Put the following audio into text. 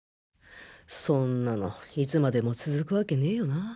そんなのいつまでも続くわけねよな。